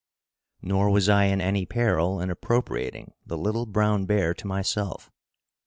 Nor was I in any peril in appropriating the little brown bear to myself.